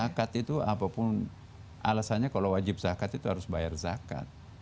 zakat itu apapun alasannya kalau wajib zakat itu harus bayar zakat